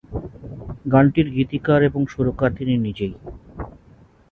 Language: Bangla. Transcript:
গানটির গীতিকার এবং সুরকার তিনি নিজেই।